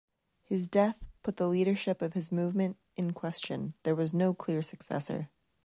His death put the leadership of his movement in question-there was no clear successor.